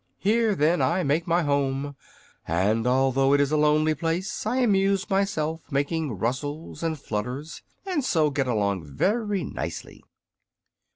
Here, then, I made my home; and although it is a lonely place I amuse myself making rustles and flutters, and so get along very nicely."